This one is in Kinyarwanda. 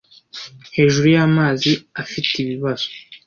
hejuru y'amazi afite ibibazo